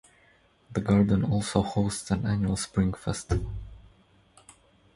The garden also hosts an annual Spring Festival.